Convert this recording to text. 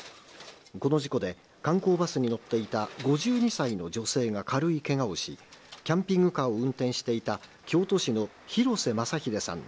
この事故で、観光バスに乗っていた５２歳の女性が軽いけがをし、キャンピングカーを運転していた京都市の広瀬雅英さん